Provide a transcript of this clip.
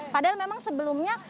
padahal memang sebelumnya